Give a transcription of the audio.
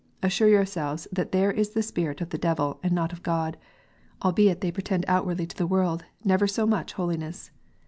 assure yourselves that there is the spirit of the devil, and not of God, albeit they pretend outwardly to the world never so much holiness.